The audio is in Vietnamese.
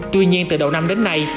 tuy nhiên từ đầu năm đến nay